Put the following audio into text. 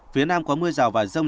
phía nam có mưa rào và giông